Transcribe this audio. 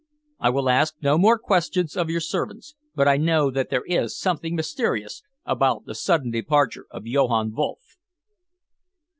I will ask no more questions of your servants, but I know that there is something mysterious about the sudden departure of Johann Wolff."